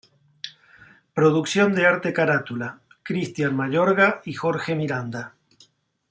Producción de arte carátula: Cristián Mayorga y Jorge Miranda.